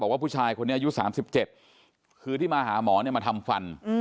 ว่าผู้ชายคนนี้อายุ๓๗คือที่มาหาหมอเนี่ยมาทำฟัน